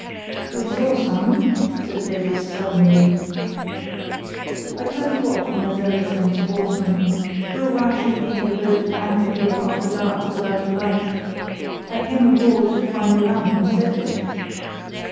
"We saw some," said Davies, sullenly. "I tell you what, my zealous young sportsmen, you're rash to leave your boat at anchor here after dark without a light. I came aboard to find your lamp and set it."